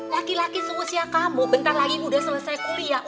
laki laki seusia kamu bentar lagi udah selesai kuliah